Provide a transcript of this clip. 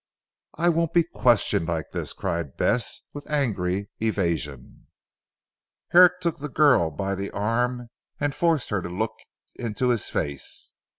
"I won't be questioned like this!" cried Bess with angry evasion. Herrick took her by the arm and forced her to look into his face.